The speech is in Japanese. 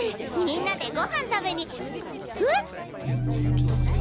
みんなでごはん食べにえっ？